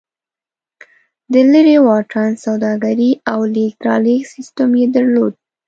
د لېرې واټن سوداګري او لېږد رالېږد سیستم یې درلود